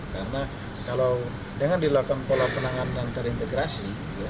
karena kalau dengan dilakukan pola penanganan terintegrasi